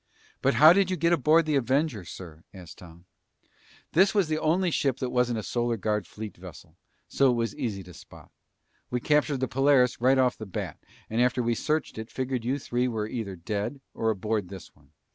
"But how did you get aboard the Avenger, sir?" asked Tom. "This was the only ship that wasn't a Solar Guard fleet vessel, so it was easy to spot. We captured the Polaris right off the bat, and after we searched it, figured you three were either dead, or aboard this one.